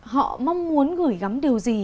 họ mong muốn gửi gắm điều gì